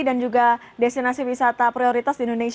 dan juga destinasi wisata prioritas